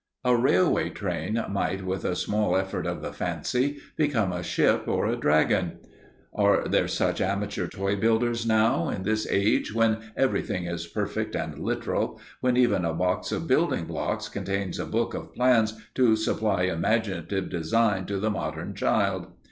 A railway train might, with a small effort of the fancy, become a ship or a dragon. Are there such amateur toy builders now, in this age when everything is perfect and literal, when even a box of building blocks contains a book of plans to supply imaginative design to the modern child?